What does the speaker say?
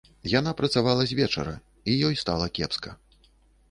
Яна працавала з вечара і ёй стала кепска.